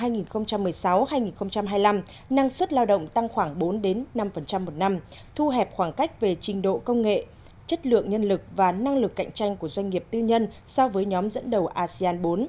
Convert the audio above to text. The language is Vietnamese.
năm hai nghìn một mươi sáu hai nghìn hai mươi năm năng suất lao động tăng khoảng bốn năm một năm thu hẹp khoảng cách về trình độ công nghệ chất lượng nhân lực và năng lực cạnh tranh của doanh nghiệp tư nhân so với nhóm dẫn đầu asean bốn